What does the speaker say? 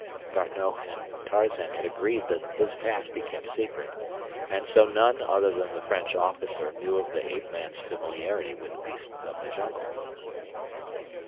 D'Arnot and Tarzan had agreed that his past be kept secret, and so none other than the French officer knew of the ape man's familiarity with the beasts of the jungle.